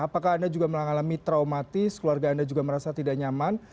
apakah anda juga mengalami traumatis keluarga anda juga merasa tidak nyaman